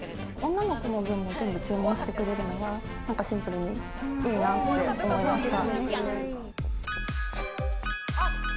女の子の分も注文してくれるのは、シンプルにいいなって思いました。